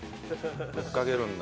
ぶっかけるんだ。